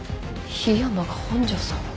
樋山が本庄さんを。